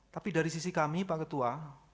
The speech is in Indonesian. tapi dari sisi kami pak ketua